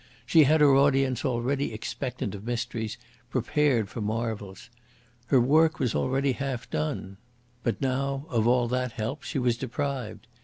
She had her audience already expectant of mysteries, prepared for marvels. Her work was already half done. But now of all that help she was deprived.